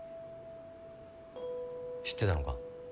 知ってたのか。